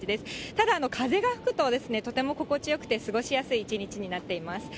ただ、風が吹くとですね、とても心地よくて、過ごしやすい一日になっています。